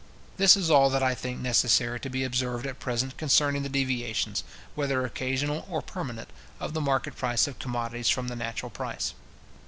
This is all that I think necessary to be observed at present concerning the deviations, whether occasional or permanent, of the market price of commodities from the natural price.